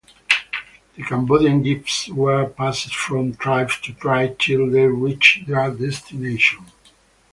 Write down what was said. The Cambodian gifts were passed from tribe to tribe till they reached their destination.